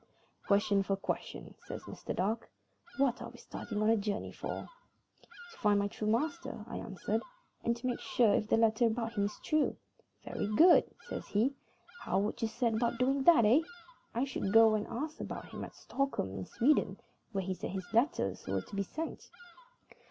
"Question for question," says Mr. Dark. "What are we starting on a journey for?" "To find my master," I answered, "and to make sure if the letter about him is true." "Very good," says he. "How would you set about doing that, eh?" "I should go and ask about him at Stockholm in Sweden, where he said his letters were to be sent."